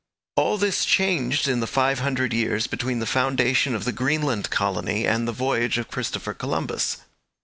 All this changed in the five hundred years between the foundation of the Greenland colony and the voyage of Christopher Columbus.